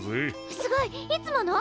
すごい！いつもの？